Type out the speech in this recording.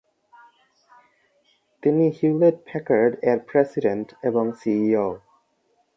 তিনি হিউলেট-প্যাকার্ড এর প্রেসিডেন্ট এবং সিইও।